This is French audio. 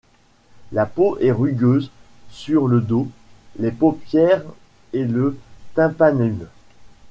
La peau est rugueuse sur le dos, les paupières et le tympanum.